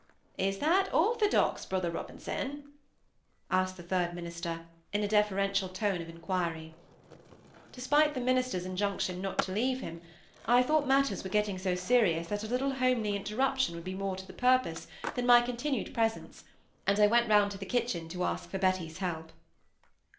"Is that orthodox, Brother Robinson?" asked the third minister, in a deferential tone of inquiry. Despite the minister's injunction not to leave him, I thought matters were getting so serious that a little homely interruption would be more to the purpose than my continued presence, and I went round to the kitchen to ask for Betty's help.